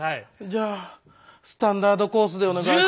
じゃあスタンダードコースでお願いします。